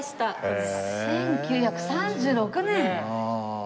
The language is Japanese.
１９３６年！